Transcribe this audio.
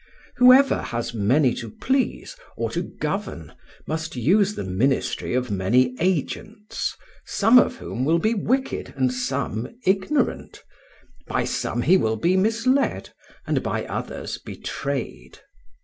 Whoever has many to please or to govern must use the ministry of many agents, some of whom will be wicked and some ignorant, by some he will be misled and by others betrayed.